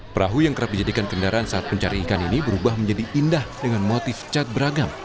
perahu yang kerap dijadikan kendaraan saat mencari ikan ini berubah menjadi indah dengan motif cat beragam